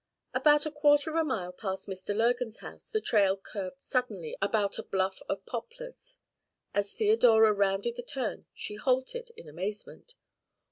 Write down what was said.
About a quarter of a mile past Mr. Lurgan's house the trail curved suddenly about a bluff of poplars. As Theodora rounded the turn she halted in amazement.